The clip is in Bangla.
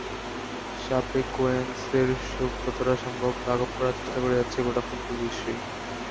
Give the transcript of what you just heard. শাপেকোয়েনসের শোক যতটা সম্ভব লাঘব করার চেষ্টা করে যাচ্ছে গোটা ফুটবল বিশ্বই।